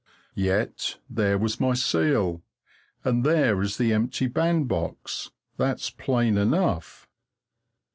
Yet there was my seal, and there is the empty bandbox. That's plain enough.